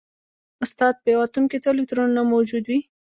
استاده په یو اتوم کې څو الکترونونه موجود وي